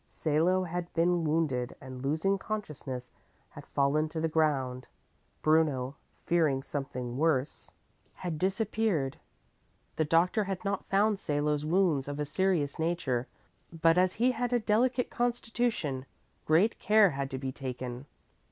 Salo had been wounded and, losing consciousness, had fallen to the ground. Bruno, fearing something worse, had disappeared. The doctor had not found Sale's wounds of a serious nature, but as he had a delicate constitution, great care had to be taken.